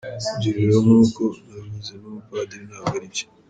Ibyo rero nk’uko nabivuze nk’umupadriri ntabwo ari byo.